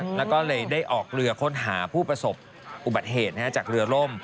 แล้วก็เลยได้ออกเรือค้นหาผู้ประสบอุบัติเหตุจากเรือล่ม